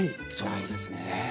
そうですね。